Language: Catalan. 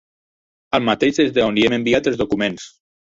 Al mateix des d'on li hem enviat els documents.